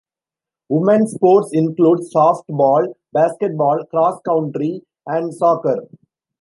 Women's sports include softball, basketball, cross country, and soccer.